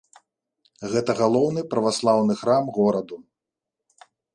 Гэта галоўны праваслаўны храм гораду.